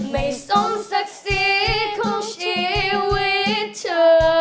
ไม่ทรงศักดิ์สิทธิ์ของชีวิตเจอ